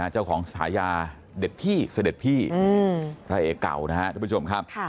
เจ้าของสายาเสด็จพี่พระเอก่าวนะครับทุกผู้ชมครับ